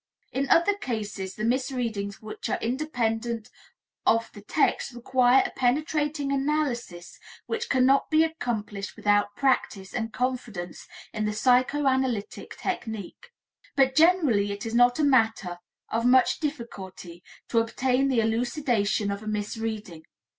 In other cases the misreadings which are independent of the text require a penetrating analysis which cannot be accomplished without practice and confidence in the psychoanalytic technique. But generally it is not a matter of much difficulty to obtain the elucidation of a misreading.